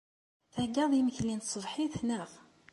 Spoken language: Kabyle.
Theyyaḍ-d imekli n tṣebḥit, naɣ?